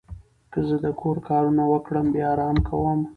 که زه د کور کارونه وکړم، بیا آرام کوم.